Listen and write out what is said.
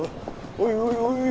おいおいおい。